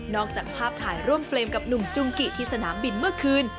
จากภาพถ่ายร่วมเฟรมกับหนุ่มจุงกิที่สนามบินเมื่อคืน